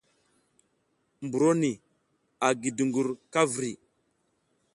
Mburo ni a gi dungur ka vri.